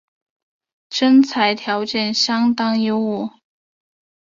征才条件相当优渥